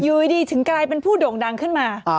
อยู่ดีถึงกลายเป็นผู้โด่งดังขึ้นมา